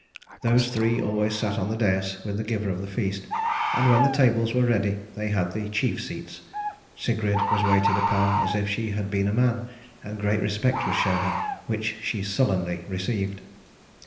Those three always sat on the dais with the giver of the feast, and when the tables were ready they had the chief seats. Sigrid was waited upon as if she had been a man, and great respect was shown her, which she sullenly received.